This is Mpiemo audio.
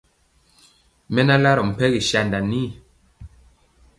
Mɛ na larɔ mpɛgi sanda nii.